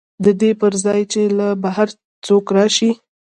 د دې پر ځای چې له بهر څوک راشي